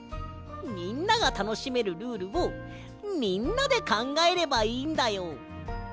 みんながたのしめるルールをみんなでかんがえればいいんだよ。